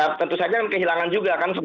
ya tentu saja kehilangan juga kan